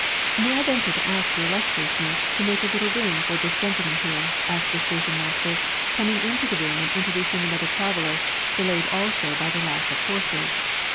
'^ May I venture to ask your illustriousness to make a little room for this gentleman here ?" asked the station master, coming into the room and introducing another traveller, de layed also by the lack of horses.